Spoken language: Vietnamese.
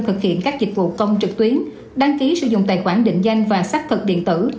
thực hiện các dịch vụ công trực tuyến đăng ký sử dụng tài khoản định danh và xác thực điện tử